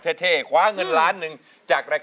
นี่แหละค่ะโอ้โหเป๊กรักรายการมาก